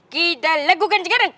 kita lakukan sekarang